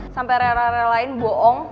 sampai rera rel lain bohong